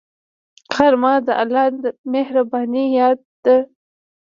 غرمه د الله مهربانۍ یاد ده